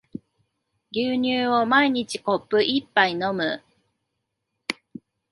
牛乳を毎日コップ一杯飲む